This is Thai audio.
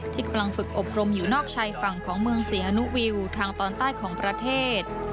กำลังฝึกอบรมอยู่นอกชายฝั่งของเมืองศรีฮานุวิวทางตอนใต้ของประเทศ